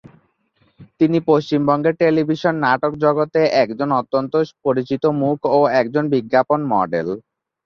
তিনি পশ্চিমবঙ্গের টেলিভিশন নাটক জগতের একজন অত্যন্ত পরিচিত মুখ ও একজন বিজ্ঞাপন মডেল।